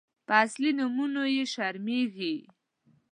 _په اصلي نومونو يې شرمېږي.